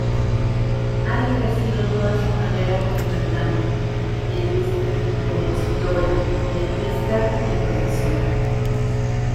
Ha ejercido toda su carrera como cantante, pianista, compositora, letrista y profesora.